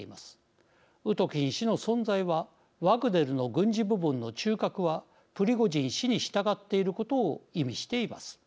ウトキン氏の存在はワグネルの軍事部門の中核はプリゴジン氏に従っていることを意味しています。